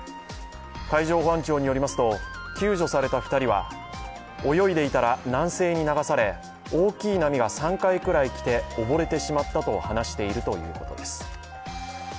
海上保安庁によりますと救助された２人は泳いでいたら南西に流され大きい波が３回くらい来て溺れてしまったと話しているということです。